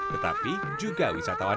tetapi juga wisatawan